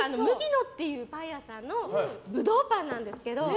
乃っていうパン屋さんのブドウパンなんですけど。